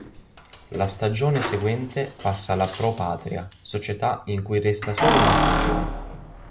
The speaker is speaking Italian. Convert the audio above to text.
La stagione seguente passa alla Pro Patria, società in cui resta solo una stagione.